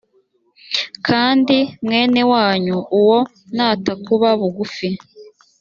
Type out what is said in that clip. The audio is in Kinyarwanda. kandi mwene wanyu uwo natakuba bugufi